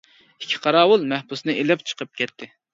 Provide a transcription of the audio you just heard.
ئىككى قاراۋۇل مەھبۇسنى ئېلىپ چىقىپ كەتتى.